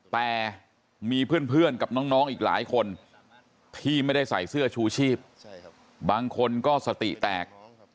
แต่มีเพื่อนกับน้องอีกหลายคนที่ไม่ได้ใส่เสื้อชูชีพบางคนก็สติแตก